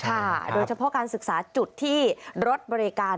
โดยเฉพาะการศึกษาจุดที่รถบริการ